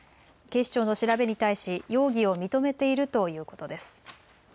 警視庁の調べに対し容疑を認めているということです。